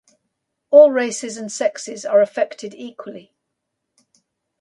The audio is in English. All races and sexes are affected equally.